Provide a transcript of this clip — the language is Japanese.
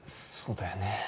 そうだよね。